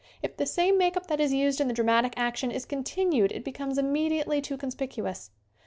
If the same make up that is used in the dramatic action is continued it becomes immediately too con spicuous.